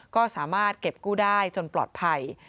ก็สามารถเก็บกู้ได้จนปลอดภัย